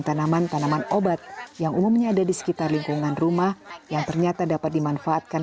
tanaman tanaman obat yang umumnya ada di sekitar lingkungan rumah yang ternyata dapat dimanfaatkan